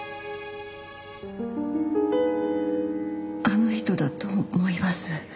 あの人だと思います。